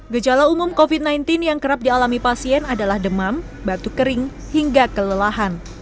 gejala umum covid sembilan belas yang kerap dialami pasien adalah demam batuk kering hingga kelelahan